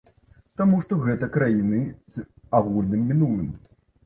Таму што гэта краіны з агульным мінулым.